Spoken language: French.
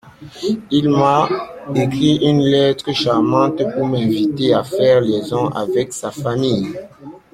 Il m'a écrit une lettre charmante pour m'inviter à faire liaison avec sa famille.